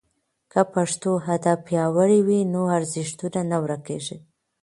که پښتو ادب پیاوړی وي نو ارزښتونه نه ورکېږي.